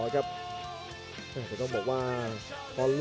กันต่อแพทย์จินดอร์